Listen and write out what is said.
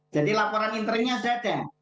jadi laporan internya sudah ada